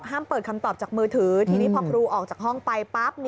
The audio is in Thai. เปิดคำตอบจากมือถือทีนี้พอครูออกจากห้องไปปั๊บ